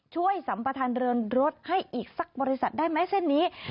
สัมประธานเรือนรถให้อีกสักบริษัทได้ไหมเส้นนี้